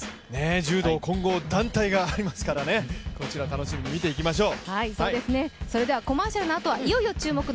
柔道混合団体がありますからこちら、楽しみに見ていきましょう。